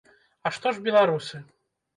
А што ж беларусы?